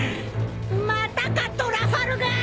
またかトラファルガー！